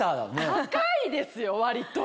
高いですよ割と。